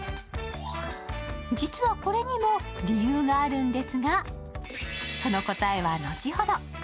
実はこれにも理由があるんですが、その答えは後ほど。